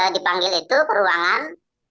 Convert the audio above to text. dipanggil itu peruangan